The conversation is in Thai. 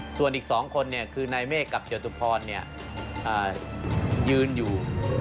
ส่วนอีก๒คนคือนายเมฆกับจตุพรยืนอยู่